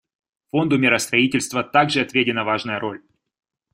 Фонду миростроительства также отведена важная роль.